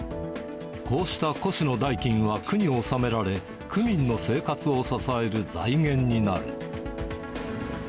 こうした古紙の代金は区に納められ、区民の生活を支える財源になる。